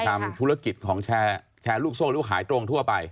ทำธุรกิจของแชร์ลูกโซ่หรือขายตรงทั่วไป